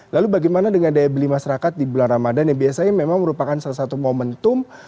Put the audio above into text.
lalu bagaimana dengan daya beli masyarakat di bulan ramadan yang biasanya memang merupakan salah satu momentum